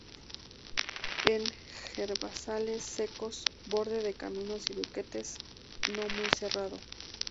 En herbazales secos, bordes de caminos y bosquetes no muy cerrado.